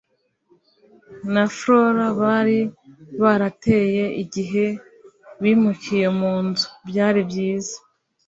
na flora bari barateye igihe bimukiye mu nzu. byari byiza